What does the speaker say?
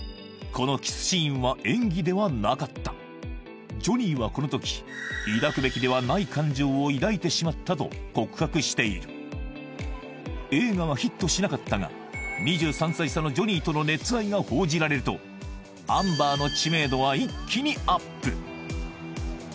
このキスシーンは演技ではなかったジョニーはこの時と告白している映画はヒットしなかったが２３歳差のジョニーとの熱愛が報じられるとアンバーの知名度は一気にアップ